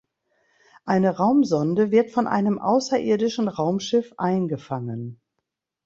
Eine Raumsonde wird von einem außerirdischen Raumschiff eingefangen.